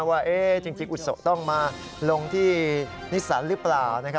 ว่าจริงอุศต้องมาลงที่นิสสันหรือเปล่า